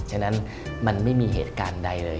ฉะนั้นมันไม่มีเหตุการณ์ใดเลย